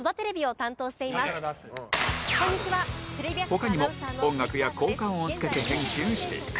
他にも音楽や効果音を付けて編集していく